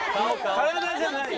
体じゃない。